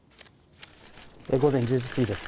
午前１０時過ぎです。